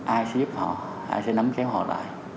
ai sẽ giúp họ ai sẽ nắm kéo họ lại